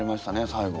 最後。